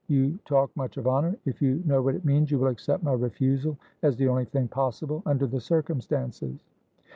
You talk much of honour. If you know what it means, you will accept my refusal as the only thing possible under the circumstances."